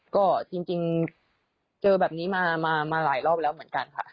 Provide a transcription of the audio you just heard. ก็จริงเจอแบบนี้มาหลายรอบแล้วเหมือนกันค่ะ